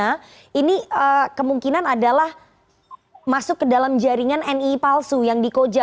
bahwa siti elina ini kemungkinan adalah masuk ke dalam jaringan ni palsu yang dikoja